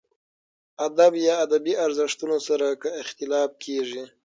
ادب یا ادبي ارزښتونو سره که اختلاف کېږي.